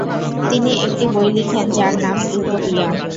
তিনি একটি বই লিখেন যার নাম "ইউটোপিয়া"।